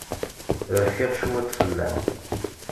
Rfiɣ cwiṭ fell-am.